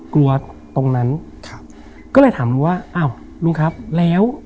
กลัวตรงนั้นก็เลยถามว่าลุงครับแล้ว